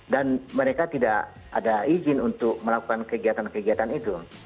dan mereka tidak ada izin untuk melakukan kegiatan kegiatan itu